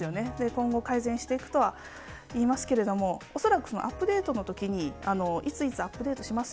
今後、改善していくとはいいますけれども、恐らくそのアップデートのときにいついつアップデートします